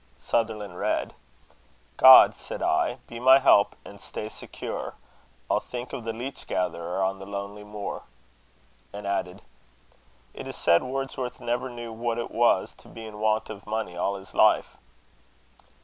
Sutherland read: "'God,' said I, 'be my help and stay secure! I'll think of the leech gatherer on the lonely moor;'" and added, "It is said Wordsworth never knew what it was to be in want of money all his life."